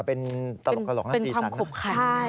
เป็นความขบขัน